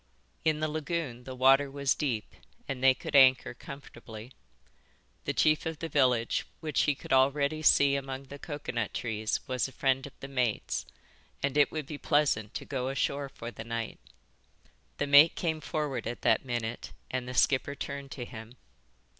In the lagoon the water was deep and they could anchor comfortably. The chief of the village which he could already see among the coconut trees was a friend of the mate's, and it would be pleasant to go ashore for the night. The mate came forward at that minute and the skipper turned to him.